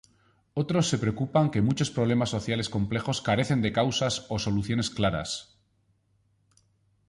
Otros se preocupan que muchos problemas sociales complejos carecen de causas o soluciones claras.